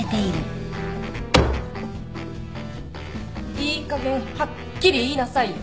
・いいかげんはっきり言いなさいよ。